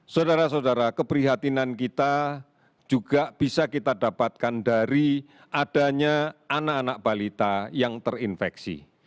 saudara saudara keprihatinan kita juga bisa kita dapatkan dari adanya anak anak balita yang terinfeksi